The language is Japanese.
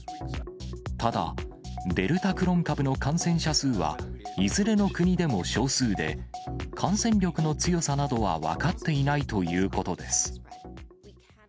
ただ、デルタクロン株の感染者数は、いずれの国でも少数で、感染力の強さなどは分かっていないということです。